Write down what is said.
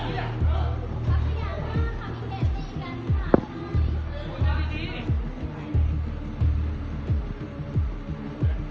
สวัสดีครับ